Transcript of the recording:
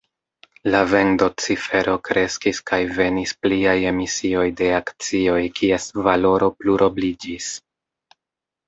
La vendocifero kreskis kaj venis pliaj emisioj de akcioj, kies valoro plurobliĝis.